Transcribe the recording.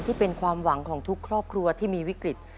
ที่เป็นความหวังของทุกครอบครัวที่มีวิกฤต